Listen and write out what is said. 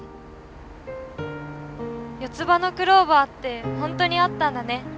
４つ葉のクローバーってほんとにあったんだね。